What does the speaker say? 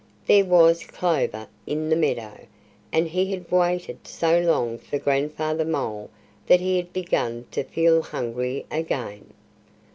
There was clover in the meadow. And he had waited so long for Grandfather Mole that he had begun to feel hungry again.